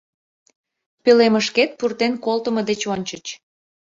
Пӧлемышкет пуртен колтымо деч ончыч.